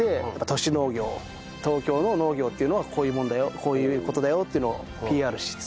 東京の農業っていうのはこういうものだよこういう事だよっていうのをＰＲしつつ。